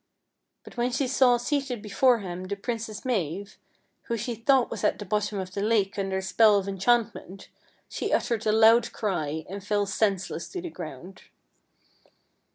But when she saw seated be fore him the Princess Mave, who she thought was at the bottom of the lake under a spell of enchantment, she uttered a loud cry, and fell senseless to the ground.